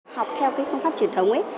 học theo cái phương pháp truyền thống ấy